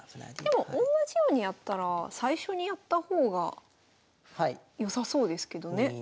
でもおんなじようにやったら最初にやった方が良さそうですけどね。